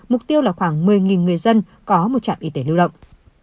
mục tiêu là khoảng một mươi người dân có một trạm y tế lưu động